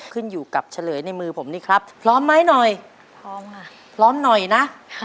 ขึ้นอยู่กับเฉลยในมือผมนี่ครับพร้อมไหมหน่อยพร้อมค่ะพร้อมหน่อยนะ